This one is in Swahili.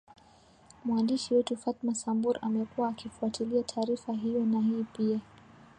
mwandishi wetu fatma sambur amekuwa akifuatilia taarifa hiyo na hii hapa